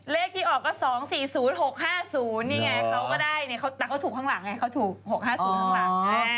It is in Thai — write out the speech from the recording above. เลขที่ออกก็๒๔๐๖๕๐นี่ไงเขาก็ได้แต่เขาถูกข้างหลังไงเขาถูก๖๕๐ข้างหลัง